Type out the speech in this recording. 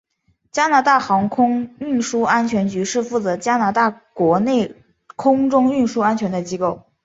加拿大航空运输安全局是负责加拿大国内空中运输安全的机构。